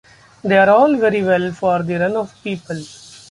They are all very well for the run of people.